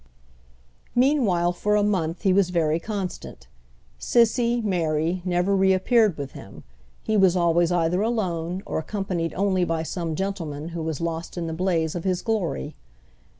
Meanwhile, for a month, he was very constant. Cissy, Mary, never re appeared with him; he was always either alone or accompanied only by some gentleman who was lost in the blaze of his glory.